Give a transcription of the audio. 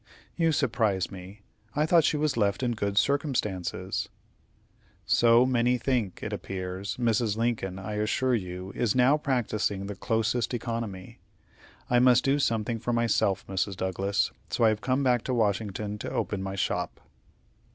"You surprise me. I thought she was left in good circumstances." "So many think, it appears. Mrs. Lincoln, I assure you, is now practising the closest economy. I must do something for myself, Mrs. Douglas, so I have come back to Washington to open my shop."